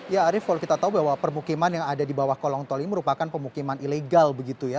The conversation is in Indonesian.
ya arief kalau kita tahu bahwa permukiman yang ada di bawah kolong tol ini merupakan pemukiman ilegal begitu ya